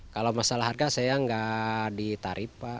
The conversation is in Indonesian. kalau masalah harga saya nggak ditari pak